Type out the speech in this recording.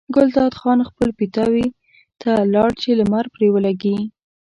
ګلداد خان خپل پیتاوي ته لاړ چې لمر پرې ولګي.